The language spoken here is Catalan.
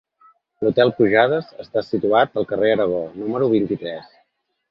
L'hotel Pujades està situat al carrer Aragó, número vint-i-tres.